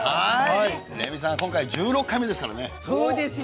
レミさん、今回は１６回目ですからね。